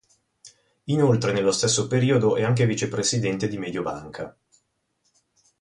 Inoltre nello stesso periodo è anche vicepresidente di Mediobanca.